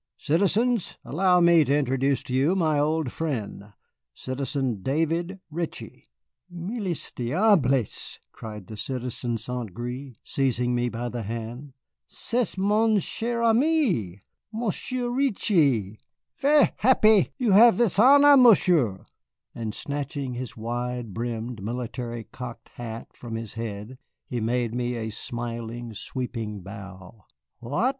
"Citizens, allow me to introduce to you my old friend, Citizen David Ritchie " "Milles diables!" cried the Citizen St. Gré, seizing me by the hand, "c'est mon cher ami, Monsieur Reetchie. Ver' happy you have this honor, Monsieur;" and snatching his wide brimmed military cocked hat from his head he made me a smiling, sweeping bow. "What!"